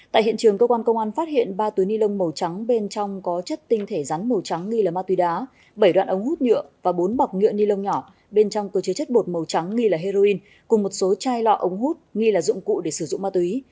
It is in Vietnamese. tại hiện trường công an xã vạn thắng phát hiện ba tuyến ni lông màu trắng bên trong có chất tinh thể rắn màu trắng nghi là ma túy đá bảy đoạn ống hút nhựa và bốn bọc nhựa ni lông nhỏ bên trong có chế chất bột màu trắng nghi là heroin cùng một số chai lọ ống hút nghi là dụng cụ để sử dụng ma túy